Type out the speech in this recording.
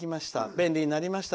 便利になりました。